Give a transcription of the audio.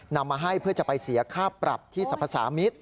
นำมาให้เพื่อจะไปเสียค่าปรับที่สรรพสามิตร